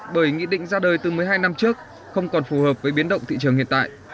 bởi nghị định ra đời từ một mươi hai năm trước không còn phù hợp với biến động thị trường hiện tại